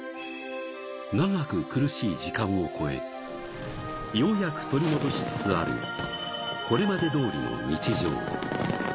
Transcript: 長く苦しい時間を越え、ようやく取り戻しつつある、これまで通りの日常。